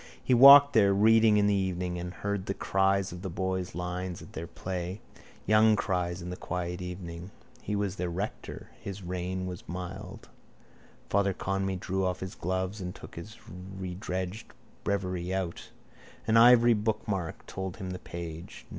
He walked there, reading in the evening, and heard the cries of the boys' lines at their play, young cries in the quiet evening. He was their rector: his reign was mild. Father Conmee drew off his gloves and took his rededged breviary out. An ivory bookmark told him the page.